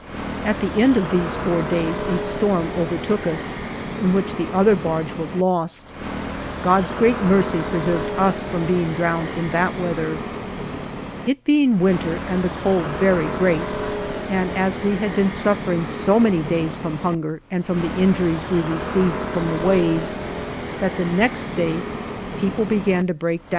At the end of these four days a storm overtook us, in which the other barge was lost. 21 God's great mercy pre served us from being drowned in that weather. It being winter and the cold very great, and as we had been suffering so many days from hunger and from the injuries we re ceived from the waves, that the next day people began to break down, so that when 20 The conduct of Narvaez is justly criticised by Oviedo (Vol.